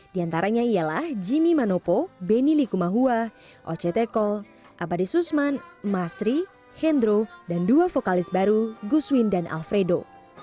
diantaranya ialah jimmy manopo benny likumahua ocetekol abadi susman masri hendro dan dua vokalis baru guswin dan alfredo